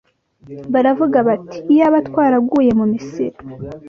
Baravuga bati iyaba twaraguye mu Misiri